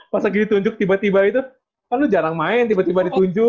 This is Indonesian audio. pas lagi ditunjuk tiba tiba itu aduh jarang main tiba tiba ditunjuk